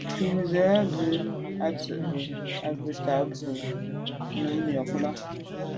Ŋkrʉ̀n zə̃ bù à’ tsì bú bə́ á tà’ mbrò ŋkrʉ̀n nù nyɔ̌ŋ lá’.